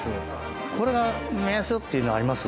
これが目安っていうのあります？